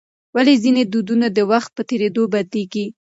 ولې ځینې دودونه د وخت په تېرېدو بدلیږي؟